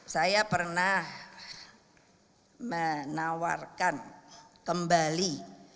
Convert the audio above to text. saya pernah menawarkan kembali